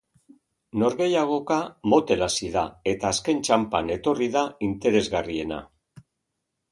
Norgehiagoka motel hasi da, eta azken txanpan etorri da interesgarriena.